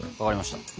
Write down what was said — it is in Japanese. わかりました。